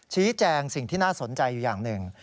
ชี้แจงสิ่งที่น่าสนใจอยู่อย่างหนึ่ง